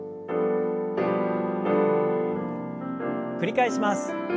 繰り返します。